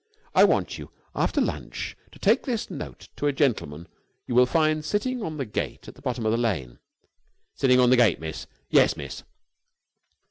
I want you after lunch to take this note to a gentleman you will find sitting on the gate at the bottom of the lane...." "Sitting on the gate, miss. Yes, miss."